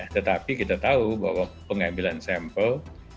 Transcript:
tetapi kita tahu bahwa pengambilan sampel